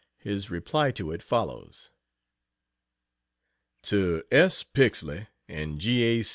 His reply to it follows: To S. Pixley and G. A.